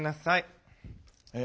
え？